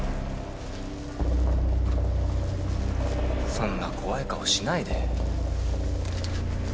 そんな怖い顔しないで。